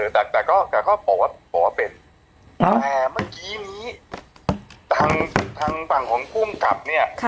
แต่เขาบอกว่าเป็นเหมือนเมื่อกี้นี้ทางฝั่งของผู้กำกับเนี่ย